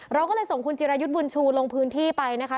เราก็เลยส่งคุณจิรายุทธ์บุญชูลงพื้นที่ไปนะคะ